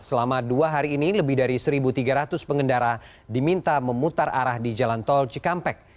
selama dua hari ini lebih dari satu tiga ratus pengendara diminta memutar arah di jalan tol cikampek